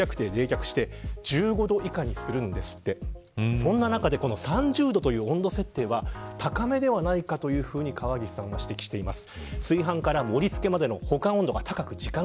そんな中で３０度という温度設定は高めではないかと河岸さんは指摘しています。